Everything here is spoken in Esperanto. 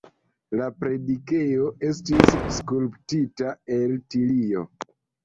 La predikejo estis skulptita el tilio.